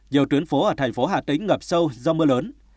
nhiều tuyến phố ở thành phố hà tĩnh ngập sâu do mưa lớn